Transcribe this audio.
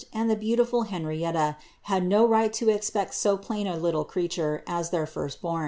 and the beautiful Henrietta had no right to expect so lin a little creature as their first bom.